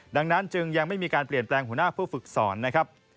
ดังนั้นจึงยังไม่มีการเปลี่ยนแปลงหัวหน้าผู้ฝึกสอนนะครับ